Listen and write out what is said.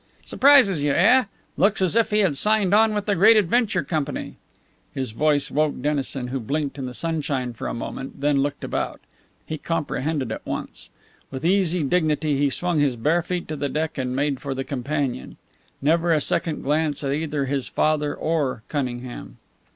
"Surprises you, eh? Looks as if he had signed on with the Great Adventure Company." His voice woke Dennison, who blinked in the sunshine for a moment, then looked about. He comprehended at once. With easy dignity he swung his bare feet to the deck and made for the companion; never a second glance at either his father or Cunningham.